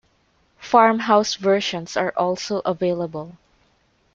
Farmhouse versions are also available.